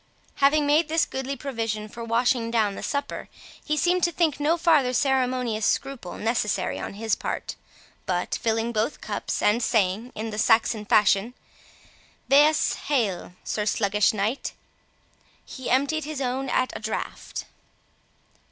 Having made this goodly provision for washing down the supper, he seemed to think no farther ceremonious scruple necessary on his part; but filling both cups, and saying, in the Saxon fashion, "'Waes hael', Sir Sluggish Knight!" he emptied his own at a draught.